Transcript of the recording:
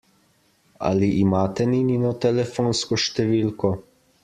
Ali imate Ninino telefonsko številko?